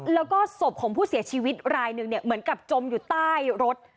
แล้วก็ศพของผู้เสียชีวิตรายหนึ่งเนี่ยเหมือนกับจมอยู่ใต้รถ